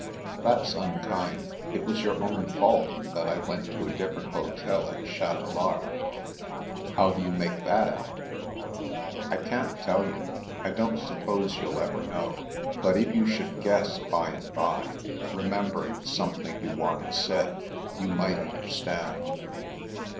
" That's imkind. It was your own fault that I went to a different hotel at Chatelard." " How do you make that out ?" "I can't tell you. I don't suppose you'll ever know. But if you should guess, by and bye, re membering something you once said, you might understand."